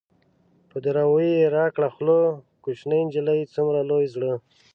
په دراوۍ يې راکړه خوله - کوشنی نجلۍ څومره لوی زړه